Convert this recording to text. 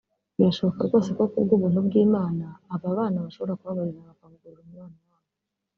birashoboka rwose ko kubw’ubuntu bw’Imana ababana bashobora kubabarirana bakavugurura umubano wabo